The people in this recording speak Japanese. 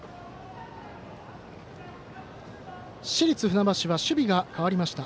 市立船橋、守備が代わりました。